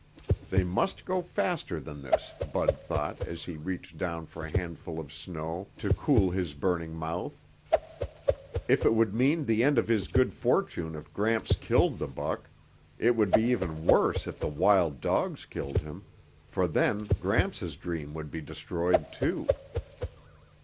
They must go faster than this, Bud thought as he reached down for a handful of snow to cool his burning mouth. If it would mean the end of his good fortune if Gramps killed the buck, it would be even worse if the wild dogs killed him, for then Gramps' dream would be destroyed, too.